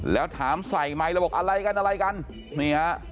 แล้วถามใส่ไมค์แล้วบอกอะไรกันอะไรกันนี่ฮะ